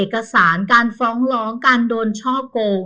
เอกสารการฟ้องร้องการโดนช่อโกง